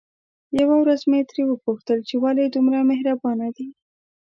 يوه ورځ مې ترې وپوښتل چې ولې دومره مهربانه دي؟